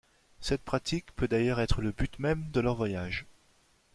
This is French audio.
Cette pratique peut d'ailleurs être le but même de leur voyage.